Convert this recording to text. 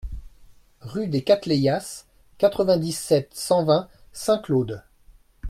Rue des Cattleyas, quatre-vingt-dix-sept, cent vingt Saint-Claude